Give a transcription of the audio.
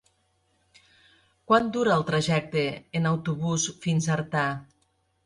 Quant dura el trajecte en autobús fins a Artà?